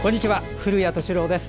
古谷敏郎です。